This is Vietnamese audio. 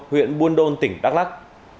huyện buôn đôn tỉnh đắk lắc